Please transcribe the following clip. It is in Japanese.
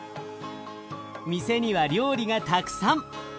店には料理がたくさん。